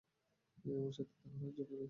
এমন সাখী তাহার আর জুটে নাই।